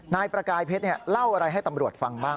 นายประกายเพชรเล่าอะไรให้ตำรวจฟังบ้าง